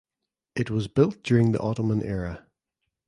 It was built during the Ottoman era.